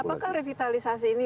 apakah revitalisasi ini